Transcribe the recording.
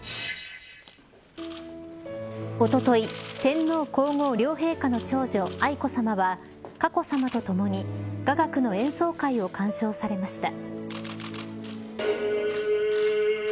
おととい天皇皇后両陛下の長女愛子さまは、佳子さまとともに雅楽の演奏会を鑑賞されました。